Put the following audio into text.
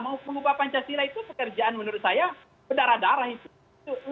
mau mengubah pancasila itu pekerjaan menurut saya berdarah darah itu